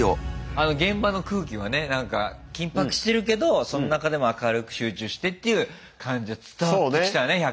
現場の空気はねなんか緊迫してるけどその中でも明るく集中してっていう感じは伝わってきたね